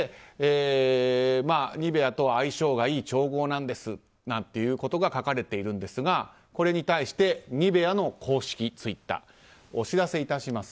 ニベアとは相性がいい調合なんですなんてことが書かれているんですがこれに対してニベアの公式ツイッターはお知らせいたします。